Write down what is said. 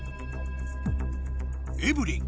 エブリン